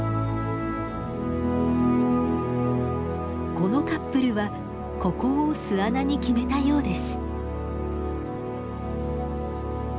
このカップルはここを巣穴に決めたようです。